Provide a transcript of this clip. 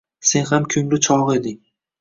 Sen ham ko‘ngli chog‘ eding.